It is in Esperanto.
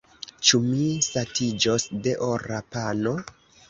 Ĉu mi satiĝos de ora pano?